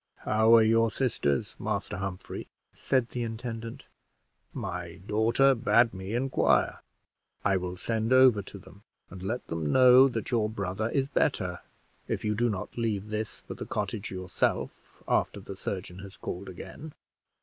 How are your sisters, Master Humphrey?" said the intendant; "my daughter bade me inquire. I will send over to them and let them know that your brother is better, if you do not leave this for the cottage yourself after the surgeon has called again."